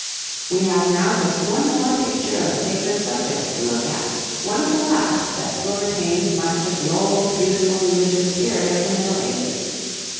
We have now just one more picture of a sacred subject to look at, one of the last that still retains much of the old beautiful religious spirit of the Middle Ages.